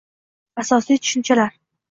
Asosiy tushunchalar